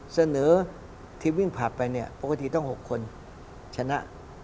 เสนอที่วิ่งผลัดไปเนี่ยปกติต้อง๖คนชนะ